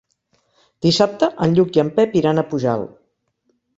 Dissabte en Lluc i en Pep iran a Pujalt.